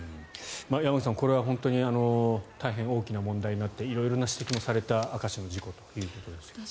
山口さん、これは本当に大変大きな問題になって色々な指摘もされた明石の事故ですが。